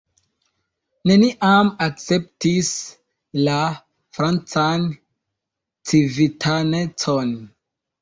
Neniam akceptis la francan civitanecon.